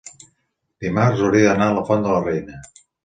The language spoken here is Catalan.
Dimarts hauria d'anar a la Font de la Reina.